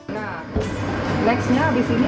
nah leksnya habis ini